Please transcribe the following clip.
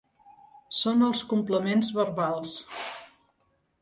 Són els complements verbals.